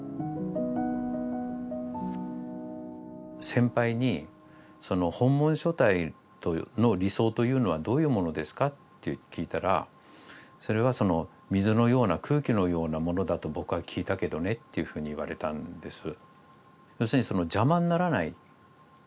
先輩に本文書体の理想というのはどういうものですか？って聞いたらそれはその水のような空気のようなものだと僕は聞いたけどねっていうふうに言われたんです。